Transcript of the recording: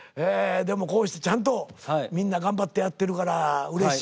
でもこうしてちゃんとみんな頑張ってやってるからうれしい。